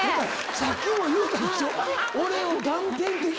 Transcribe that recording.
さっきも言うたでしょ？